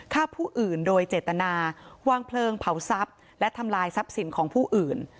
ฆ่าผู้อื่นโดยเจตนาวางเพลิงเผาทรัพย์และทำลายทรัพย์สินของผู้อื่น